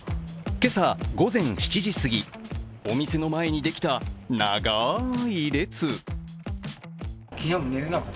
今朝午前７時すぎ、お店の前にできた長い列。